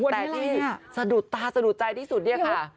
แต่ที่สะดุดตาสะดุดใจที่สุดเนี่ยค่ะ